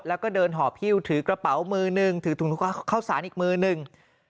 แล้วก็เดินห่อพิวถือกระเป๋ามือหนึ่งถือถุงข้าวสารอีกมือหนึ่ง